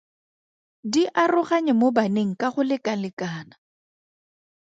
Di aroganye mo baneng ka go lekalekana.